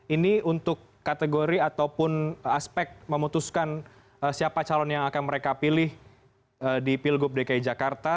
ini untuk kategori ataupun aspek memutuskan siapa calon yang akan mereka pilih di pilgub dki jakarta